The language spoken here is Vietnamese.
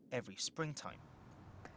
và chi phí quân sự